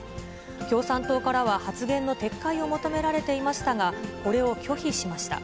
共産党からは発言の撤回を求められていましたが、これを拒否しました。